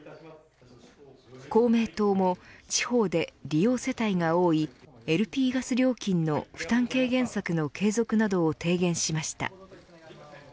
公明党も地方で利用世帯が多いＬＰガス料金の負担軽減策の継続などを提言しました。